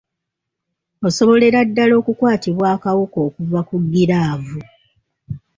Osobolera ddala okukwatibwa akawuka okuva ku giraavu.